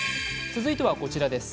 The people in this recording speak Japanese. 続いてはこちらです。